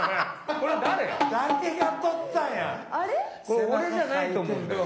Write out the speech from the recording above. これ俺じゃないと思うんだけど。